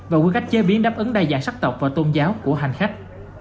và quy cách chế biến đáp ứng đa dạng sắc tộc và tôn giáo của hành khách